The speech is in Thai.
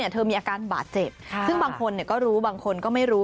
เธอมีอาการบาดเจ็บซึ่งบางคนก็รู้บางคนก็ไม่รู้